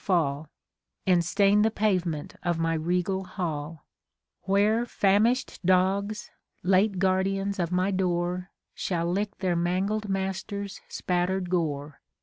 324 CONSOLATION TO APOLLONIUS, And stain the pavement of my regal hall ; Where famish'd ilogs, late guardians of my door, Sliall lick their mangled master's spatter'd gore.